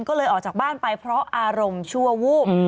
ก็เลยออกจากบ้านไปเพราะอารมณ์ชั่ววูบ